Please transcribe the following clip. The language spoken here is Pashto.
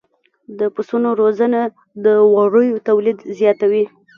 د پسونو روزنه د وړیو تولید زیاتوي.